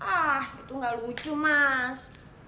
ah itu gak lucu mas